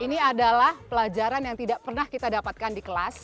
ini adalah pelajaran yang tidak pernah kita dapatkan di kelas